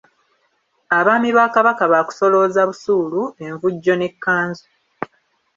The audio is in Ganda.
Abaami ba Kabaka baakusolooza busuulu, envujjo n’ekkanzu.